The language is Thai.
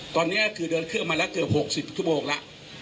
ตอนนี้คือเดินเครื่องมาแล้วเกือบ๖๐ชั่วโมงแล้ว